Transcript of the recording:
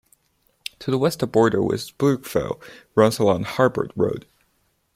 To the west the border with Brookvale runs along Harbord Road.